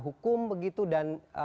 hukum begitu dan